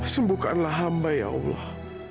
sembukalah hamba ya allah